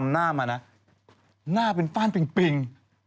เหมือนปันปิง